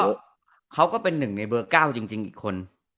แล้วเขาก็เป็นหนึ่งในเบอร์๙จริงอีกคน